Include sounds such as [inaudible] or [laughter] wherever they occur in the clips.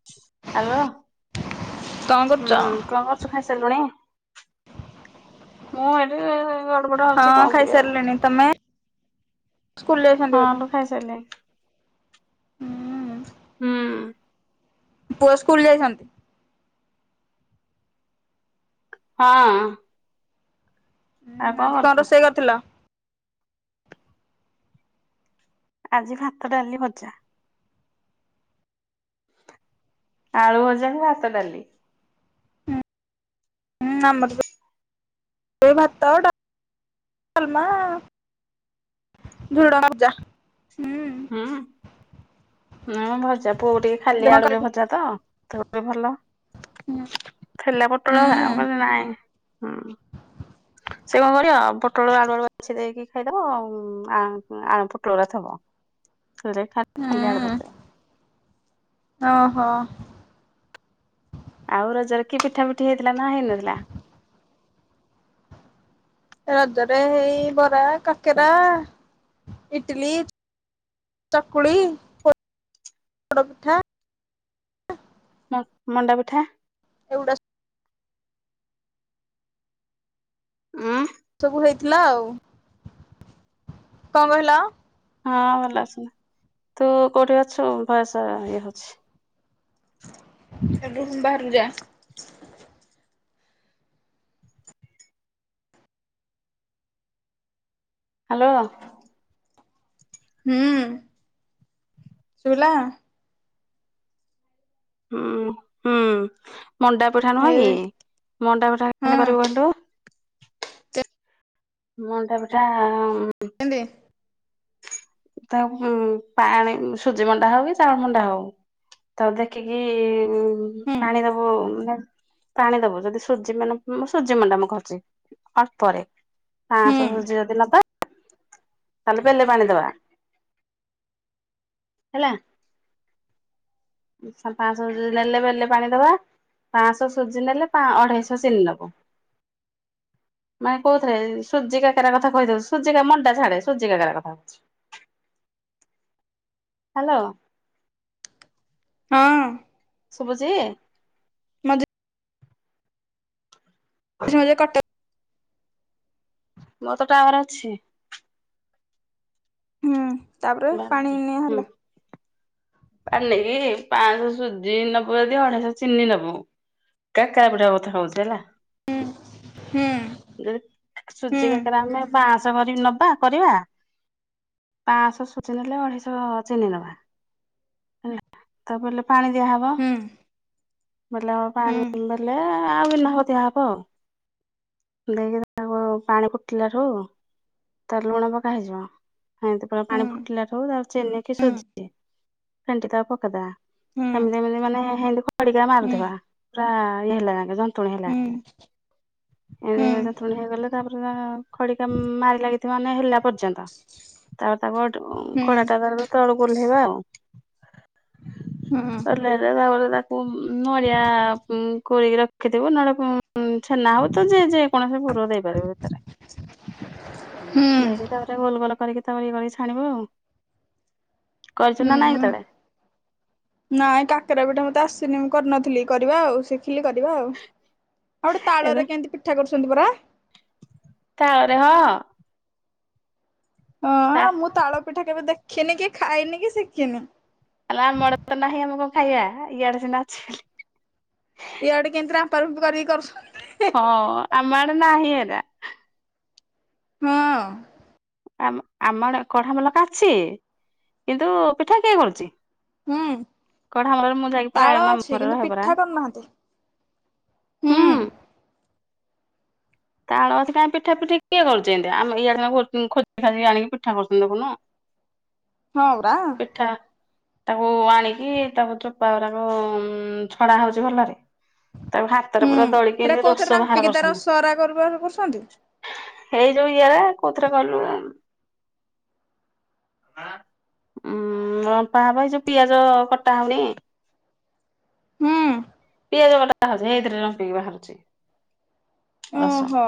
ଅ [inaudible] ଆଉ କରୁଛ? ହୁଁ। କଣ କରୁଛୁ ଖାଇସାରିଲୁଣି ମୁଁ ଏଠି ମୋର ହୋଉଚି ହଁ କମ୍ ଟିକେ ଆଉ। ତମେ ସ୍କୁଲ୍ ଏ ହଁ ଲୋ ଖାଇସାରିଲି। ହୁଁ ହୁଁ। ପୁଅ ସ୍କୁଲ ଯାଇଛନ୍ ହଁ। ହୁଁ ଆଜି କଣ ରୋଷେଇ କରିଥିଲଥିଲ? ଆଜି ଭାତ ଡାଲି ଭଜା। ଆଳୁ ଭଜା କୁ ଭାତ ଡାଲି। ହୁଁ ଆମର ତ ଏ ଭାତ ଡା ଡାଲ୍ମା। ଝୁଡ଼ଙ୍ଗ ଭଜା ହୁଁ। ଉଁ। ହୁଁ ଭଜା ପୁଅ ଟିକେ ଖାଲି ଆଳୁରେ ଭଜା ତ ବି ଭଲ। ଥିଲା ହୁଁ ପୋଟଳ ହେରା ମୁ କଇ ନାଇଁ ହୁଁ। ସେ କଣ କରିଅ ପୋଟଳ ଆଳୁ ଆଡୁ ବାଛି ଦେଇକି ଖାଇଦବ ଆଉ ପୋଟଳ ରା ଥବ। ଖା ଖାଲି ଆଳୁ ହୁଁ ଭର୍ତା। ଓହୋ। ଆଉ ରଜରେ କିଏ ପିଠା ପିଠି ହେଇଥିଲା ନା ହେଇନଥିଲା? ରଜରେ ହେଇ ବରା, କାକେରା, ଇଟିଲି ଚକୁଳି, ପୋଡ ପିଠା ମ ମଣ୍ଡା ପିଠା। ଏଉଡା ଉଁ ସବୁ ହେଇଥିଲା ଆଉ କ କହିଲ? ହଁ ଭଲ ଅସୁ ତୁ କୋଉଠି ଅଛୁ ବୟସ ଇଏ ହୋଉଛି। ଏ ରୁମ୍ ବାହାରୁକୁ ଯା। ଆଲୋ। ହୁଁ ଶୁଭିଲା? ହୁଁ ହୁଁ ମଣ୍ଡା ପିଠା ନୁହଁ ଏ କି ମଣ୍ଡା ପିଠା ହଁ କେମତି କରିବୁ କହିଲୁ? ମୁଣ୍ଡା ପିଠା [unintelligible] ତା ଉ ପାଣି ସୁଜି ମଣ୍ଡା ହଉ କି ଚାଉଳ ମଣ୍ଡା ହଉ ତାକୁ ଦେ ଖିକି ହୁଁ ପାଣିଦୋବୁ। ପାଣି ଦୋବୁ ଯଦି ସୂର୍ଯ୍ୟ ମାନେ ସୂର୍ଯ୍ୟମଣ୍ଡ ମୁ କୋହୁଚିଛି ଅଳ୍ପରେ। ହୁଁ ପାଁସ ଯୋଉଦିନ ପା ସଲପେଲେ ପାଣିଦବା ହେଲା। ସ ପାଁସ ନେଲେ ବେଲେ ପାଣି ଦବା। ପାଁଶ ସୁଜି ନେଲେ ପା ଅଢେଇଶହ ଚିନି ନୋବୁ। ମାଇେ କହୁଥିଲେ ସୁଜ କା କରା କଥା କହିଥଉୁ ସୁଜିକା ମଣ୍ଡା ଛାଡ ସ ସୁର୍ଯ୍ୟ କା କ କଥା କୋହୁଛି। ହାଲୋ। ହଁ। ଶୁଭୁଚି? [unintelligible] ଝଁଲେ କଟକ୍ ମୋର ତ ଟାୱାର୍ ଅଛି। ହୁଁ ତାପରେ ପାଣି ହେଲା। ପନ କି ପାଞ୍ଚଶହ ସୁଜି ନବୁ ଯଦି ଅଢେଇଶହ ଚିନି ନବୁ। କା, କା- ପିଡା ବଥା ହଉଛି ହେଲା। ହଁ ହଁ। ଯଦି ସୁଜି କାକରା ଆମେ ପାଂଶ ଭରି ନବା କରିବା। ପାଞ୍ଚଶହ ସୁଜି ନେଲେ, ଅଢ଼େଇଶହ ଚିନି ନେବା! ହେଲା ତାପଲେ ପାଣି ଦିଆହବ। ହୁଁ ବେଲେ ହୁଁ ପାଣି ବେଲେ ଆଉ ଗିନା ହବ ଦିଆ ହବ ଆଉ! ଦେଇକି ତାକୁ ପାଣି କୁଟିଲାରୁ ତାର ଲୁଣ ପକା ହେଇଯିବ। ହଁ ତ ପୁରା ପାଣି ହୁଁ ଫୁଟିଲା ଠୁ ତାପରେ ଚେନେ କି ସଜି ଫେଣ୍ଟି ତ ପକେଇଦ ହୁଁ ସେମତି ଏମତି ମାନେ ସେମିତି ଖଡିକା ହୁଁ ହୁଁ ମାରୁଦବା। ପୁରା ଇଏ ହେଲା ଯାଙ୍କେ ଯନ୍ତୁଣୀ ହେଲା ହୁଁ ଯାଙ୍କେ। ଏମିତି ହୁଁ ହେଇ ଯନ୍ତ୍ରଣୀ ହେଇଗଲେ ତାପରେ ଖଡିକା ମାରି ଲାଗିଥିବା ମାନେ ହେଲା ପର୍ଯ୍ୟନ୍ତ। ତା ତା ଗୋଟ ଅଁ, ହୁଁ କଳାଟା ତାର ବି ତଳକୁ ଓହ୍ଲେଇବ ଆଉ। ହୁଁ [inaudible] କୁ ଉଁ, ନଡ଼ିଆ ଉଁ, କୋରିକି ରଖିଥିବୁ ନହେଲେ [unintelligible] ଛେନା ହଉ। ତ ଯେ ଯେକୌଣସି ପୂରୁ ଦେଇପାରିବ ଭିତରେ। ହୁଁ ଦେଇକି ହୁଁ ତାପରେ ଗୋଲ ଗୋଲ କରିକି ତାପରେ ଇଏ କରିକି ଛାଣିବ। କରିଛୁ ନା ନାଇଁ କେତବେଳେ। ନାଇଁ କାକେରା ପିଠା ମତେ ଆସିନି ମୁଁ କରିନଥିଲି କରିବା ଆଉ ଶିଖିଲେ କରିବା ଆଉ। ଆଉ ଗୋଟେ ତାଳରେ କେମିତି ପିଠା କରୁଛନ୍ତି ପରା? ତାପରେ, ହଁ। ହଁ ତା ମୁଁ ତାଳ ପିଠା କେବେ ଦେଖିନି କି ଖାଇନି କି ଶିଖିନି। ହେଲା ଆମର ତ ନାହିଁ ଆମେ କଣ ଖାଇବା ଇଆଡେ ସିନା ଅଛି। ଏଡ କେମିତି ରାମ୍ପ ରମ୍ପି କରିକି କରୁଛନ୍ତି। ହଁ ଆମଆଡ଼େ ନାହିଁ ଏରା। ହଁ। ଆ ଆମେ କଢ ମଲକା ଅଛି କିନ୍ତୁ ପିଠା କିଏ କରୁଛି। ହୁଁ। କଢାମଳରେ ମୁଁ ଯାଇକି ପୁରା ମାମୁଁ ଘର ରହେ ପରା। କନାହାନ୍ତି ହୁଁ। ତାଳ ଅଛି କାହିଁ ପିଠା ପିଠି କିଏ କରୁଛନ୍ତି। ଆମ ଇଆଡ ଖୋଜି ଖାଜି ଆଣିକି ପିଠା କରୁଛନ୍ତି ଦେଖୁନ। ହଁ ବା। ପିଠା ତାକୁ ଆଣିକି ତାକୁ ଚୋପା ଗୁଡାକ ଛଡା ହଉଛି ଭଲରେ। ତାକୁ ହାତରେ ପୁରା ଦଳିକି ଏମତି ରସ ବାହାର କରୁଛନ୍ତି। ଖରା ଘରୁ ବାହାର କରୁଛନ୍ତି। ଏଇ ଯୋଉ ଇଏରା କୋଉଥିରେ କଲୁ [unintelligible] ଉଁ, ରମ୍ପା ହବ ଯୋଉ ପିଆଜ କଟା ହଉନି। ହୁଁ ପିଆଜ କଟା ବାହାରୁଛି ହୈଇଥିରେ ରାମ୍ପିକି ବାହାରୁଛି ରସ। ଓହୋ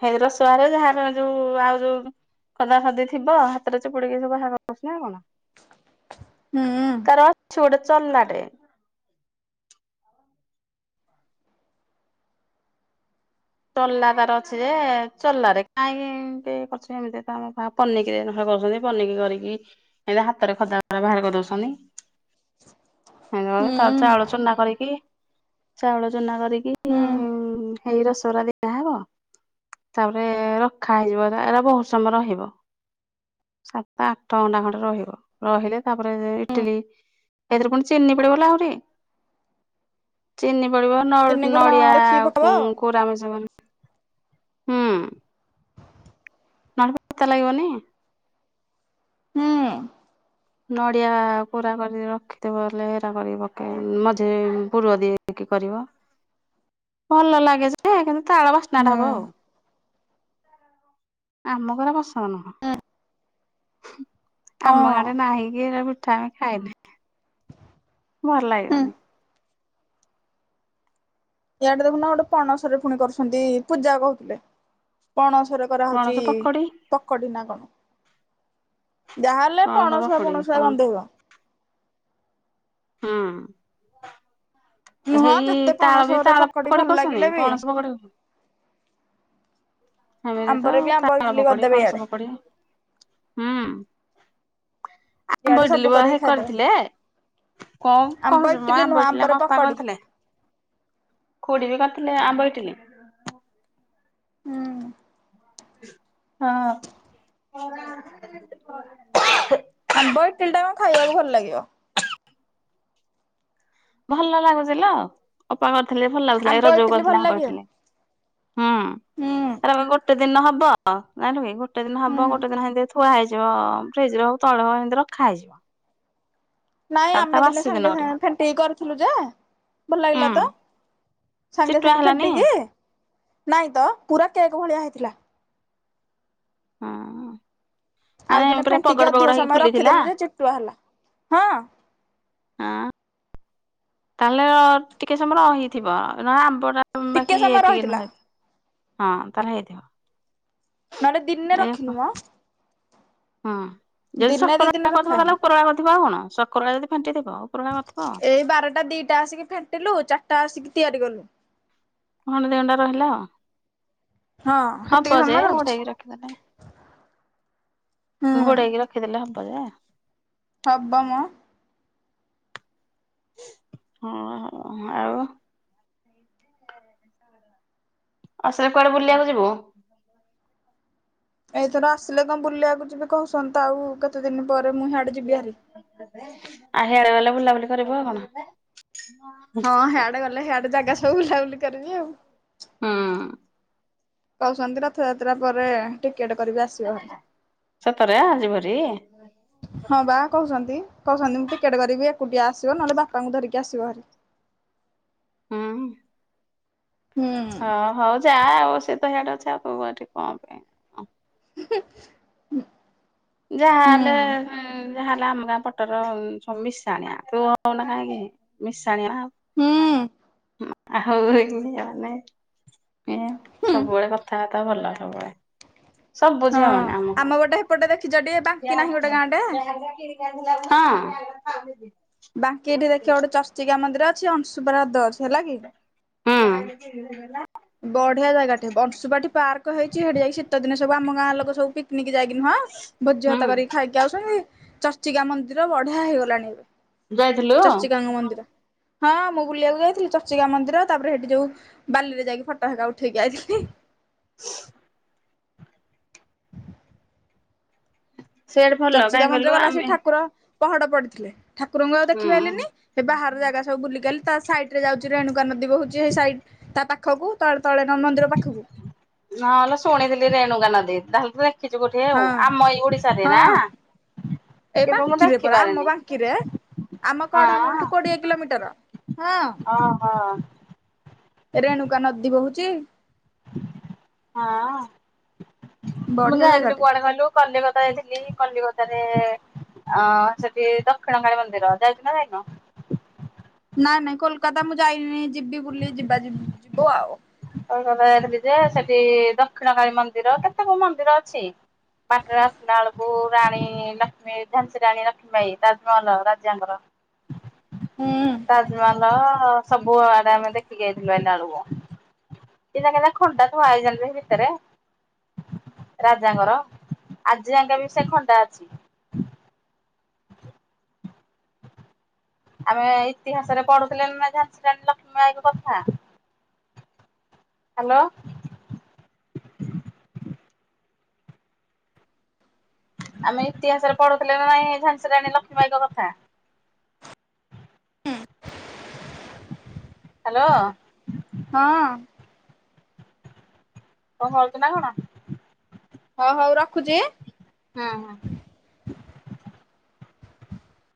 ହେ ର ସୁୁଆରେ ଯାହା ଯୋଉ ଆଉ ଯୋଉ ଖଦା ଖଦି ଥିବ ହାତରେ ଚିପୁଡିକି ସବୁ ବାହା କରଦଉଛୁ ନା କଣ? [unintelligible] ତାର ଅଛି ଗୋଟେ ଚଲାଟେ। ଚଲା ତାର ଅଛି ଯେ ଚଲା ରେ କାହିଁକ କରଛ ଏମିତି ତ ଆମ ପନିିକି ନ କରଛନ୍ତି ପନିିକି କରିକି ଏତି ହାତରେ ଖଦା ଖରା ବାହାର କରି ଦଉଛନ୍ତି। ତାର ଚାଉଳ ଚୁନା କରିକି ଚାଉଳ ଚୁନା କରିକି ବି ହୁଁ ଉଁ, ହେଇ ରସ୍ ସେରା ଦିଅ ହବ ତାପରେ ରଖା ହେଇଯିବ ଏରା ବହୁତ ସମୟ ରହିବ। ସାତ ଆଠ ଘଣ୍ଟା ଖଣ୍ଡେ ରହିବ ରହିଲେ ତାପରେ ଇଟିଲି ଏଥିରେ ପୁଣି ଚିନି ପଡିବ ଲୋ ଆହୁରି ଚିନି ପଡିବ। ନର୍ ଚିନି ଗୁଣ ନଡ଼ିଆ ଦେଖିକି ଆଉ ପକେଇବ ଉଁ କୋରା। [unintelligible] ହୁଁ ତା ଲାଗିବନି। ହୁଁ। ନଡ଼ିଆ କୋରା କରିକି ରଖିଥିବ ହେଲେ ହେରା କରି ପକେଇ ମଝିରେ ପୂର ଦେଇକି କରିବ। [inaudible] ଭଲ ଲାଗେ ଯେ କିନ୍ତୁ ତାଳ ହୁଁ ବାସ୍ନାଟା ହବ ଆଉ। ଆମକୁ ହେରା ପସନ୍ଦ ନୁହଁ ଆମ ହଁ ଆଡେ ନାହିଁକି ହେରାବି ଠା ଆମେ ଖାଇନୁ ଭଲ ହୁଁ ଲାଗିବନି। ୟଆଡେ ଦେଖୁନ ଗୋଟେ ପଣସରେ ଫୁଣି କରୁଛନ୍ତି ପୂଜା କୋହୁଥୁଲେ ପଣସରେ ପଣସ କରାହୋଉଚି ପକୋଡି ପକଡି ନା କଣ। ଯାହାହେଲେ ପଣସ ପଣସୁଆ ପକୋଡି ପଣସୁଆ କଣ ଗନ୍ଧେଇବ। ହଁ। ନୁହଁ ହେଇ ଯେତେ ତାଳ ବି ପଣସରେ ତାଳ ପକଡି କଡି ଭଲ କରୁଛନି ଲାଗିଲେ ବି ପଣସ ପକୋଡି ଖାଇବେନି ତ ଆମ୍ବରେ ବି ଆଉ ଆମ୍ବ ତାଳ ଇଟିଲି ପକୋଡି କରିଦେବେ ପଣସ ଇଆଡେ ପକୋଡି। ହୁଁ ଆ ଇଆଡେ ସବୁ [unintelligible] କରିକି ବାହେ ଖାଇଦେବେ କରିଥିଲେ। କଁ ଆମ୍ବ କୋହୁଚୁ [unintelligible] ଇଟିଲି ନୁହଁ ଆମ ଆମ୍ବରେ ଅପା ପକଡି କରିଥିଲେ। ଖୁଡ଼ି ବି କରିଥିଲେ ଆମ୍ବ ଇଟିଲି। ହୁଁ। ହଁ। [unintelligible] ଆମ୍ବ ଇଟିଲିଟା ହଁ ଖାଇବାକୁ ଭଲ ଲାଗିବ। ଭଲ ଲାଗୁଚି ଲୋ ଅପା କରିଥିଲେ ଭଲ ଲାଗୁଥିଲା ଏଇ ଆମ୍ବ ରଜକୁ ଇଟିଲି ଭଲ କରିଥିଲେ ଆମ୍ୱ ଲାଗିବ ଇଟିଲି। ହୁଁ [unintelligible] ଗୋଟେ ଦିନ ହବ ଯାଇଁଲୁ କି ଗୋଟେ ଦିନ ହବ ହୁଁ ଗୋଟେ ଦିନ ହେନ୍ତି ଥୁଆ ହେଇଯିବ ଫ୍ରିଜରେ ହୋଉ ତଳେ [unintelligible] ରଖା ହେଇଯିବ। ନାଇଁ ତାପରେ ତା ଆମେ ଦିନେ ବାସି ଦିନ ସାଙ୍ଗେ କରିବ ସାଙ୍ଗେ ଫେଣ୍ଟି କି କରିଥିଲୁ ଯେ ଭଲ ହୁଁ ଲାଗିଲା ତ। ସାଙ୍ଗେ ଚିଟୁଆ ସାଙ୍ଗେ ହେଲାନି ଫେଣ୍ଟି କି ନାଇଁ ତ ପୁରା କେକ୍ ଭଳିଆ ହେଇଥିଲା। ହୁଁ ନାଇଁ ପୁରା ପଗଡ ପଗଡ ହେଇକି ଫୁଲିଥିଲା। ତୁଆ ହେଲା ହଁ। ହଁ ତାହେଲେ ଅ ଟିକେ ସମୟ ରହିଥିବ [unintelligible] ଆମ୍ବଟା ଟିକେ ବାକି ସମୟ ଟିକେ। ରହିଥିଲା [unintelligible] ହଁ ତାହେଲେ ହେଇଥିବ। ନହେଲେ ଦିନେ ରଖିନୁମ। ହୁଁ ଯଦି ଦିନେ ସକ୍ର ଦି ଦିନ କରିଥିବ ତାହେଲେ ରଖାହେଇନି ଉପର ବେଳା କରିଥିବ ଆଉ କଣ ଶକ୍ରୋ ଓଳିଆ ଯଦି ଫେଣ୍ଟି ଥିବ ଉପ୍ରୋବେଳା କରିଥିବ ଆଉ। ଏଇ ବାରଟା ଦିଟା ଆସିକି ଫେଣ୍ଟିଲୁ ଚାରଟା ଆସିକି ତିଆରି କଲୁ। ଘଣ୍ଡେ ଦି ଘଣ୍ଟା ରହିଲା ଆଉ ହଁ ସେତିକି ହବ ଯେ ସମୟ ରହୁଛି ଘୋଡ଼େଇକି ର ଖି ଦେଲେ ହୁଁ ଘୋଡେଇକି ରଖିଦେଲେ ହବ ଯେ। ହବମ। ହଁ ହବ ଆଉ। [unintelligible] ଆସିଲେ କୁଆଡେ ବୁଲିବାକୁ ଯିବୁ। ଏଇଥର ଆସିଲେ କଁ ବୁଲିବାକୁ ଯିବି କହୁସନ୍ ତ ଆଉ କେତେ ଦିନ ପରେ ମୁଁ ହ୍ୟାଡେ [unintelligible] ଆ ହ୍ୟାଡେ ଗଲେ ବୁଲାବୁଲି କରିବୁ ଆଉ କଣ [unintelligible] ହଁ ହ୍ୟାଡେ ଗଲେ ହ୍ୟାଡେ ଜାଗା ସବୁ ବୁଲାବୁଲି କରିବି ଆଉ। ହୁଁ। କୋହୁଛନ୍ତି ରଥଯାତ୍ରା ପରେ ଟିକେଟ୍ କରିବି ଆସିବ ଭାରି। ସତରେ ଯିବୁହାରି [inaudible] ହଁ ବା କୋହୁଛନ୍ତି କୋହୁଛନ୍ତି ମୁଁ ଟିକେଟ୍ କରିବି ଏକୁଟିଆ ଆସିବ ନହେଲେ ବାପାଙ୍କୁ ଧରିକି ଆସିବ ଭାର। ହୁଁ ହୁଁ। ହଁ ହଉ ଯା ଆଉ ସିଏ ତ ହ୍ୟାଡେ ଅଛି ଆଉ ତୁ ଏଠି କଁ ପାଇଁ [unintelligible] ହୁଁ ଯାହାଲେ ହୁଁ ଯାହା ହେଲା ଆମ ଗାଁ ପଟର ସବୁ ମିଶାଣିଆ ତୁ [unintelligible] କି ମିଶାଣିଆ ଆଉ ହୁଁ। ହଉ ଏଇ ମାନେ ଏଇଆ ହୁଁ। ସବୁବେଳେ କଥାବାର୍ତ୍ତା। ତ ଭଲ ହବେ ସବୁ ଝିଅ ମାନେ ଆମ ଗାଁ। ହେପଟେ ହେପଟେ ଦେଖିଛଟି [unintelligible] ହଁ। ବାଙ୍କି ଏଠି ଦେଖିବା ଗୋଟେ ଚର୍ଚ୍ଚିକା ମନ୍ଦିର ଅଛି। ଅଂଶୁପା ହ୍ରଦ ଅଛି ହେଲା କି। ହୁଁ। ବଢିଆ ଜାଗାଟେ ଅଂଶୁପାଠୀ ପାର୍କ ହେଇଛି। ସେଇଠି ଯାଇକି ଶୀତ ଦିନ ସବୁ ଆମ ଗାଁର ଲୋକ ସବୁ ପିକନିକ ଯାଇକି ନୁହଁ ଭୋଜି ଭାତ ହୁଁ କରିକି ଖାଇ ଯାଉଛନ୍ତି ଚର୍ଚିକା ମନ୍ଦିର ବଢିଆ ହେଇଗଲାଣି ଏବେ, ଯାଇଥିଲୁ ଚର୍ଚିକାଙ୍କ ମନ୍ଦିର। ହଁ ମୁଁ ବୁଲିବାକୁ ଯାଇଥିଲି ଚର୍ଚିକା ମନ୍ଦିର। ତାପରେ ସେଇଠି ଯୋଉ ବାଲିରେ ଯାଇକି ଫଟ ହେରା ଉଠେଇକି ଆଇଥିଲି। [inaudible] ସେଆଡେ ଭଲ ଚର୍ଚିକା କାହିଁ ମନ୍ଦିର କହିଲୁ ଗଲା ସେ ଆମେ ଠାକୁର ପହଡ ପଡିଥିଲେ। ଠାକୁରଙ୍କୁ ଆଉ ଦେଖି ହୁଁ ପାରିଲିନି ବାହାର ଜାଗା ସବୁ ବୁଲିକି ଆଇଲି। ତା ସାଇଡ ରେ ଯାଉଛି ରେଣୁକା ନଦୀ ବହୁଛି ସେ ସାଇଡ ତା ପାଖ ପାଖକୁ ତଳେ ତଳେ ନ ମନ୍ଦିର ପାଖକୁ। ନହେଲେ ଶୁଣିଥିଲି ରେଣୁକା ନଦୀ ତା ଭିତରେ ଦେଖିଛୁ କୋଉଠି ହଁ ଆଉ ଆମ ଏଇ ଓଡିଶାରେ ନା? ହଁ। ଏଇ କିନ୍ତୁ ମୁଁ ବାଙ୍କିରେ ପରା ଆମ ଦେଖିପାରିନି ବାଙ୍କିରେ। ଆମ ହଁ କଢାମଲଠୁ କୋଡିଏ କିଲୋମିଟର ହଁ। ଓହୋ ରେଣୁକା ନଦୀ ବହୁଚି। ହଁ ମୁଁ ବଢିଆ ଯାଇଥିଲି ଜାଗାଟେ କୁଆଡ଼େ କହିଲୁ? କଲିକତା ଯାଇଥିଲି କଲିକତାରେ ଅ ସେଠି ଦକ୍ଷିଣକାଳୀ ମନ୍ଦିର ଯାଇଚ ନା ଯାଇନ? ନାଇଁ ନାଇଁ କୋଲକାତା ମୁଁ ଯାଇନି। ଯିବି ବୁଲି ଯିବା ଯି ଯିବ ଆଉ। କୋଲକାତା ଯାଇଥିଲି ଯେ ସେଠି ଦକ୍ଷିଣ କଳୀ ମନ୍ଦିର, କେତେ କୋଉ ମନ୍ଦିର ଅଛି। ବାଟରେ ଆସିଲା ବେଳକୁ, ରାଣୀ ଲକ୍ଷ୍ମୀ ଝାନସୀ ରାଣୀ ଲକ୍ଷ୍ମୀ ବାଇ, ତାଜମହଲ ରାଜାଙ୍କର। ହୁଁ ତାଜମହଲ ସବୁ ଆଡେ ଆମେ ଦେଖିକି ଆଇଥିଲୁ ଆଇଲା ବେଳକୁ। କିରା କିରା ଖଣ୍ଡା ଥୁଆ ହେଉଛନ୍ତି ସେ ଭିତରେ। ରାଜାଙ୍କର ଆଜି ଯାଇଙ୍କା ବି ସେ ଖଣ୍ଡା ଅଛି। [inaudible] ଆମେ ଇତିହାସରେ ପଢୁଥିଲେ ନା ନାଇଁ ଝାନସୀ ରାଣୀ ଲକ୍ଷ୍ମୀବାଇଙ୍କ କଥା। ହ୍ୟାଲୋ। ଆମେ ଇତିହାସରେ ପଢୁଥିଲେ ନା ନାଇଁ ଝାନସରାଣୀ ଲକ୍ଷ୍ମୀ ବାଇଙ୍କ କଥା। ହ୍ୟାଲୋ। ହଁ। କଣ କହୁଚୁ ନା କଣ? ହଁ ହଉ ରଖୁଛି। ହଁ ହଁ।